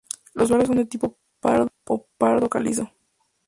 Los suelos son de tipo pardo o pardo calizo.